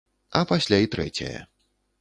А пасля і трэцяе.